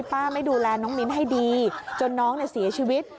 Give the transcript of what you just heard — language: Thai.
ไม่ดูแลน้องมิ้นให้ดีจนน้องเสียชีวิต